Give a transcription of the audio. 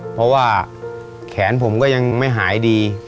เพราะว่าแขนผมก็ยังไม่หายดี